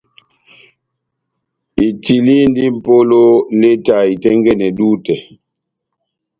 Itilindi mʼpolo leta itɛ́ngɛ́nɛ dutɛ.